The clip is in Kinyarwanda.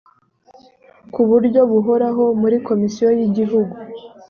ku buryo buhoraho muri komisiyo y igihugu